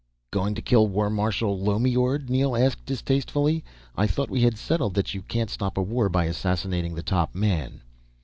"Going to kill War Marshal Lommeord?" Neel asked distastefully. "I thought we had settled that you can't stop a war by assassinating the top man."